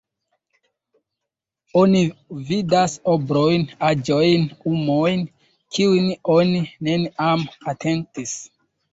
Oni vidas ombrojn, aĵojn, umojn, kiujn oni neniam atentis.